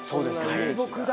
大木だ。